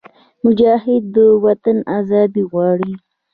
مجاهد د وطن ازادي غواړي.